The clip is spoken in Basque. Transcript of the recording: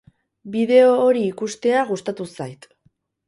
Bideo hori ikustea gustatu zait.